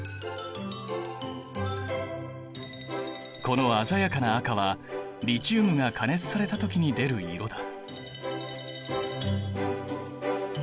この鮮やかな赤はリチウムが加熱された時に出る色だ。